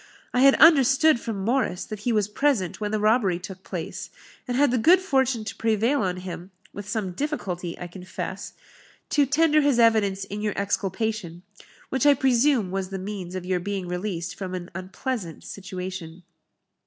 I had understood from Morris that he was present when the robbery took place, and had the good fortune to prevail on him (with some difficulty, I confess) to tender his evidence in your exculpation which I presume was the means of your being released from an unpleasant situation."